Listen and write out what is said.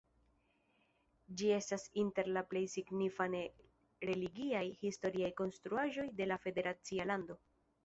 Ĝi estas inter la plej signifaj ne-religiaj historiaj konstruaĵoj de la federacia lando.